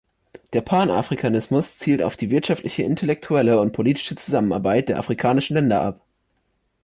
Der Panafrikanismus zielt auf die wirtschaftliche, intellektuelle und politische Zusammenarbeit der afrikanischen Länder ab.